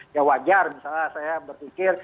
ya wajar misalnya saya berpikir